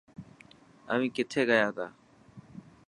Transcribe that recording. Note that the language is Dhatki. اوهين کٿي گسياتا؟